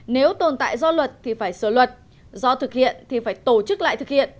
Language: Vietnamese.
nếu tồn tại do luật thì phải sửa luật do thực hiện thì phải tổ chức lại thực hiện